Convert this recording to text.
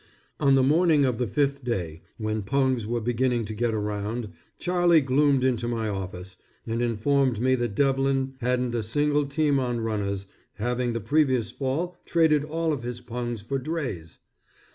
On the morning of the fifth day when pungs were beginning to get around, Charlie gloomed into my office, and informed me that Devlin hadn't a single team on runners, having the previous fall traded off all his pungs for drays.